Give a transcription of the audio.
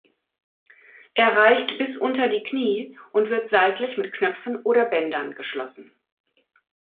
Er reicht bis unter die Knie und wird seitlich mit Knöpfen oder Bändern geschlossen.